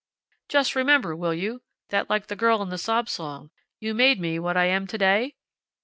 Just remember, will you, that like the girl in the sob song, `You made me what I am to day?'"